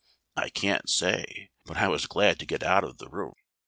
I can't say but I was glad to get out of the room.